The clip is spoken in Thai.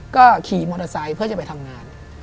ก็ขี่มอเตอร์ไซค์เพื่อจะไปทำงาน